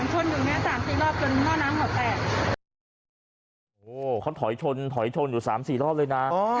โหเขาถอยชนอยู่สามสี่รอบเลยนะ